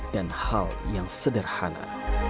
dan hal yang sederhana